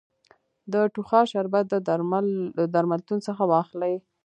د ټوخا شربت د درملتون څخه واخلی